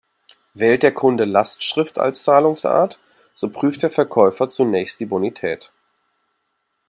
Wählt der Kunde Lastschrift als Zahlungsart, so prüft der Verkäufer zunächst die Bonität.